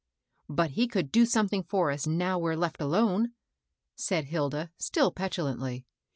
" But he could do something for us now we're left alone," said Hilda, still petulantly.